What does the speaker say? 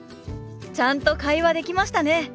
ちゃんと会話できましたね！